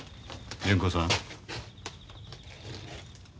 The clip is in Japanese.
純子さん。